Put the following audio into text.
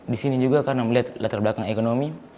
di sini juga karena melihat latar belakang ekonomi